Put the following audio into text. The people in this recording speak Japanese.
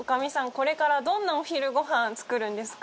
これからどんなお昼ご飯作るんですか？